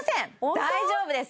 大丈夫です！